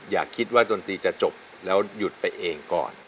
อย่าคิดว่าดนตรีจะจบแล้วหยุดไปเองก่อน